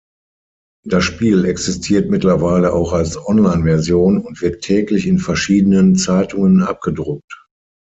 Das Spiel existiert mittlerweile auch als Online-Version und wird täglich in verschiedenen Zeitungen abgedruckt.